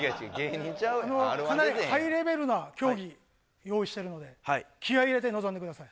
かなりハイレベルな競技用意してるので気合入れて臨んでください。